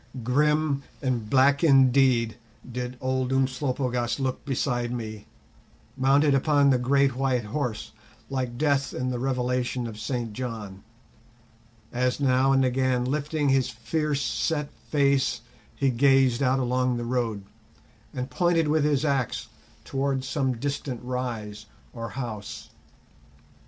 Grim and black indeed did old Umslopogaas look beside me, mounted upon the great white horse, like Death in the Revelation of St John, as now and again lifting his fierce set face he gazed out along the road, and pointed with his axe towards some distant rise or house.